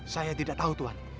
saya tidak tahu tuhan